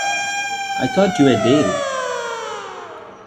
I thought you were Dale!